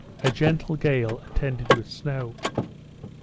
a gentle gale, attended with snow.